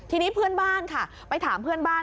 ทีนี้เพื่อนบ้านค่ะไปถามเพื่อนบ้าน